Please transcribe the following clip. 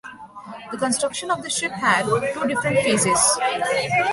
The construction of the ship had two different phases.